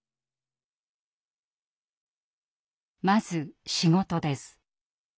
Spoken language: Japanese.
まず仕事です。